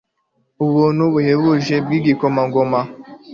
Ubuntu buhebuje bwigikomangoma